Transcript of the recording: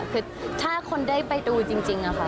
คือถ้าคนได้ไปดูจริงค่ะ